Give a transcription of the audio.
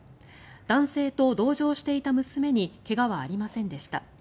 男性と、同乗していた娘に怪我はありませんでした。